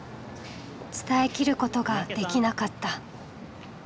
伝えきることができなかった。